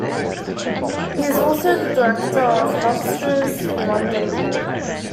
He is also director of Hofstra's London Program.